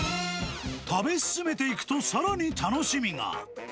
食べ進めていくと、さらに楽しみが。